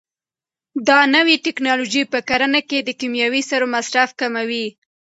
دا نوې ټیکنالوژي په کرنه کې د کیمیاوي سرو مصرف کموي.